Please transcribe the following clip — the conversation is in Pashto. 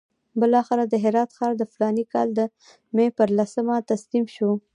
بالاخره د هرات ښار د فلاني کال د مې پر لسمه تسلیم شو.